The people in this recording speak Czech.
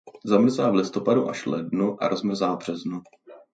Zamrzá v listopadu až lednu a rozmrzá v březnu.